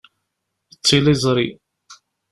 D tiliẓri.